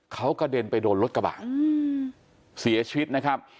เขากระเด็นไปโดนรถกระบะเสียชีวิตนะครับ